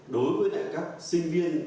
đối với các sinh viên